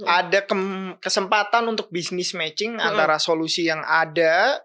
ada kesempatan untuk business matching antara solusi yang ada